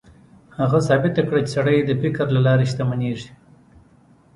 هغه ثابته کړه چې سړی د فکر له لارې شتمنېږي.